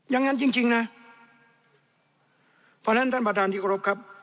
อย่างนั้นจริงจริงนะเพราะฉะนั้นท่านประธานที่กรบครับ